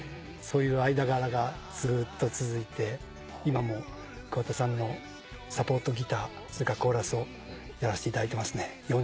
そういう間柄がずっと続いて今も桑田さんのサポートギターそれからコーラスをやらせていただいてますね。